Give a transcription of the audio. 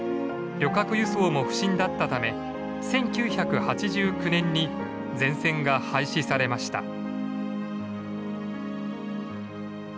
旅客輸送も不振だっため１９８９年に全線が廃止されました。